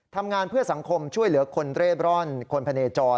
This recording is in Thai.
ทำงานเพื่อสังคมช่วยเหลือคนเร่ร่อนคนพะเนจร